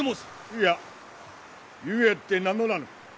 いや故あって名乗らぬ。